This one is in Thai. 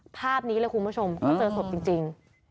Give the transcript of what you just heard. ภาพนี้เลยคุณผู้ชมเขาเจอศพจริง